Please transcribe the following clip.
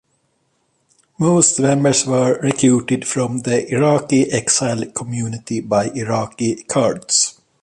Most members were recruited from the Iraqi exile community by Iraqi Kurds.